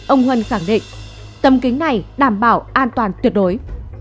ông huân khẳng định tầm kính này đảm bảo an toàn tuyệt đối